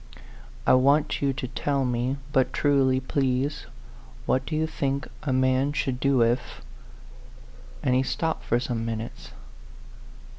I want you to tell me but truly, please what do you think a man should do if " and he stopped for some minutes.